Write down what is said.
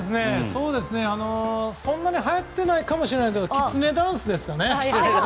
そんなにはやってないかもしれませんがきつねダンスですかね。